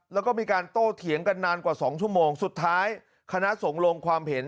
แล้วก็มีการโต้เถียงกันนานกว่า๒ชั่วโมงสุดท้ายคณะสงฆ์ลงความเห็น